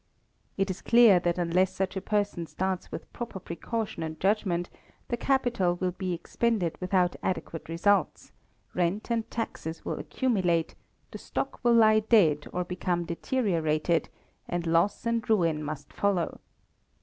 It is clear, that unless such a person starts with proper precaution and judgment, the capital will be expended without adequate results; rent and taxes will accumulate, the stock will lie dead or become deteriorated, and loss and ruin must follow.